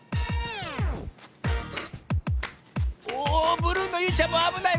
おブルーのゆいちゃんもあぶない。